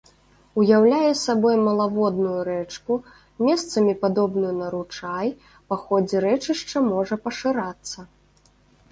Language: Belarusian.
Уяўляе сабой малаводную рэчку, месцамі падобную на ручай, па ходзе рэчышча можа пашырацца.